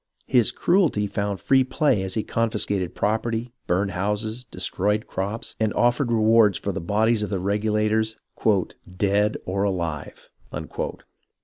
His cruelty found free play as he con fiscated property, burned houses, destroyed crops, and offered rewards for the bodies of the Regulators "dead or alive."